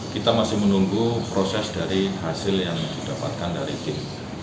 kita masih menunggu proses dari hasil yang didapatkan dari tim